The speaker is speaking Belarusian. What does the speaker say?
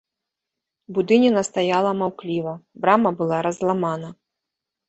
Будыніна стаяла маўкліва, брама была разламана.